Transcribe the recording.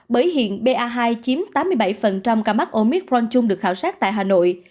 bởi hiện ba hai chiếm tám mươi bảy cả mắt omicron chung được khảo sát tại hà nội